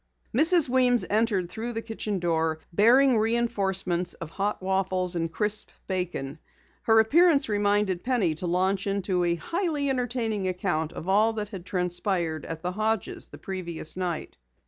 Mrs. Weems entered through the kitchen door, bearing reenforcements of hot waffles and crisp bacon. Her appearance reminded Penny to launch into a highly entertaining account of all that had transpired at the Hodges' the previous night.